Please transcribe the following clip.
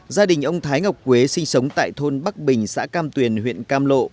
gia đình ông thái ngọc quế sinh sống tại thôn bắc bình xã cam tuyền huyện cam lộ